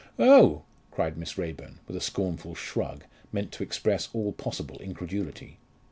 "Oh!" cried Miss Raeburn, with a scornful shrug, meant to express all possible incredulity.